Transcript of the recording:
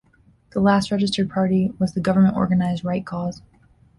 The last registered party was the government-organized Right Cause.